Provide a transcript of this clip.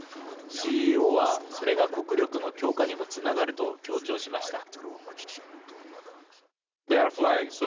ＣＥＯは、それが国力の強化にもつながると強調しました。